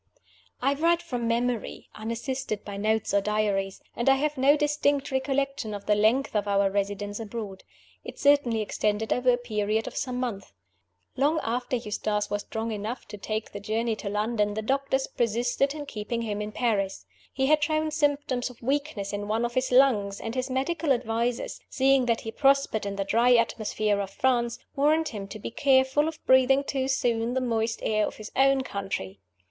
I write from memory, unassisted by notes or diaries; and I have no distinct recollection of the length of our residence abroad. It certainly extended over a period of some months. Long after Eustace was strong enough to take the journey to London the doctors persisted in keeping him in Paris. He had shown symptoms of weakness in one of his lungs, and his medical advisers, seeing that he prospered in the dry atmosphere of France, warned him to be careful of breathing too soon the moist air of his own country.